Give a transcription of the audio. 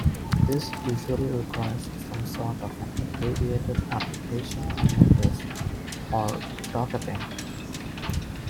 This usually requires some sort of an abbreviated application on notice, or docketing.